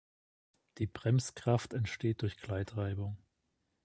Die Bremskraft entsteht durch Gleitreibung.